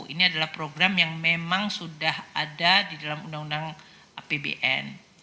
ini adalah program yang memang sudah ada di dalam undang undang apbn